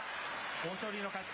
豊昇龍の勝ち。